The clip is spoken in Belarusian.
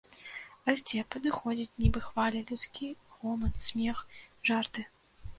Расце, падыходзіць, нібы хваля, людскі гоман смех, жарты.